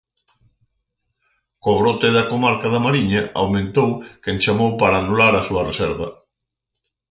Co brote da comarca da Mariña, aumentou quen chamou para anular a súa reserva.